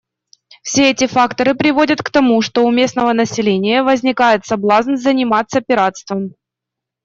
Все эти факторы приводят к тому, что у местного населения возникает соблазн заниматься пиратством.